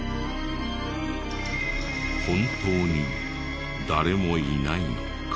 本当に誰もいないのか？